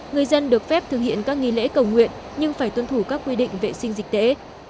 người dân được phép thực hiện các nghi lễ cầu nguyện nhưng phải tuân thủ các quy định vệ sinh dịch tễ